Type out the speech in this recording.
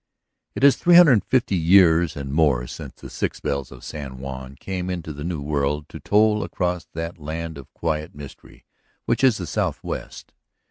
It is three hundred and fifty years and more since the six bells of San Juan came into the new world to toll across that land of quiet mystery which is the southwest.